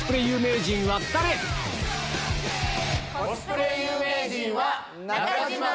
コスプレ有名人は。